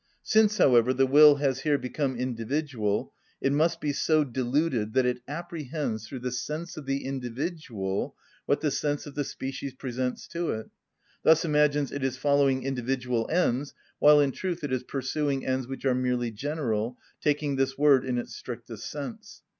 Since, however, the will has here become individual, it must be so deluded that it apprehends through the sense of the individual what the sense of the species presents to it, thus imagines it is following individual ends while in truth it is pursuing ends which are merely general (taking this word in its strictest sense).